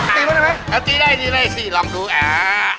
ตีมันได้ไหมอาติได้สิลองดูอ่า